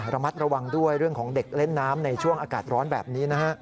ระมัดระวังด้วยเรื่องของเด็กเล่นน้ำในช่วงอากาศร้อนแบบนี้นะฮะ